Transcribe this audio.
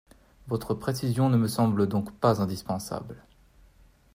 Votre précision ne me semble donc pas indispensable.